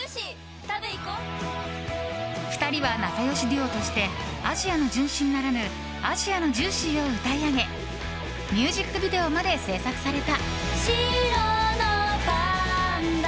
２人は仲良しデュオとして「アジアの純真」ならぬ「アジアのジューシー」を歌い上げミュージックビデオまで制作された。